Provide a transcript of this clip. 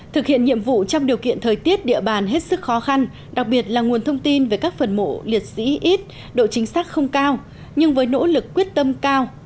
thực hiện nhiệm vụ trong điều kiện thời tiết địa bàn hết sức khó khăn đặc biệt là nguồn thông tin về các phần mộ liệt sĩ ít độ chính xác không cao nhưng với nỗ lực quyết tâm cao